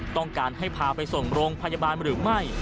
ต้องการให้พาไปส่งโรงพยาบาลหรือไม่